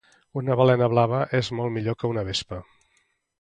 Una balena blava és molt millor que una vespa